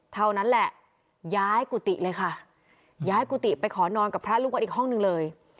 เท่านั้นแหละย้ายกุฏิเลยค่ะย้ายกุฏิไปขอนอนกับพระลูกวัดอีกห้องหนึ่งเลย